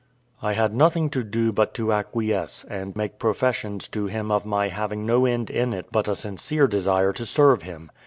I had nothing to do but to acquiesce, and make professions to him of my having no end in it but a sincere desire to serve him.